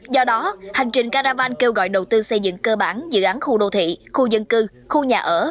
do đó hành trình caravan kêu gọi đầu tư xây dựng cơ bản dự án khu đô thị khu dân cư khu nhà ở